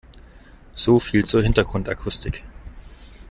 So viel zur Hintergrundakustik.